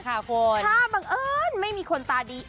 ถ้าบังเอิญไม่มีคนตาดี